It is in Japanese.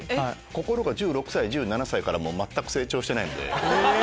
心が１６歳１７歳から全く成長してない。